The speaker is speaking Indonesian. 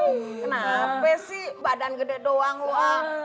kenapa sih badan gede doang wah